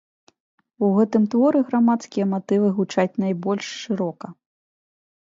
У гэтым творы грамадскія матывы гучаць найбольш шырока.